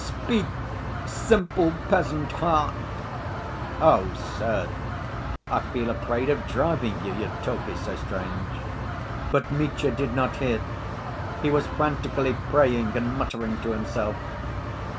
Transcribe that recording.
Speak, simple peasant heart!" "Oh, sir! I feel afraid of driving you, your talk is so strange." But Mitya did not hear. He was frantically praying and muttering to himself.